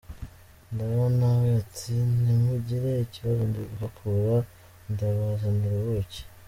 Ndaba na we ati : “Ntimugire ikibazo ndi guhakura ndabazanira ubuki”.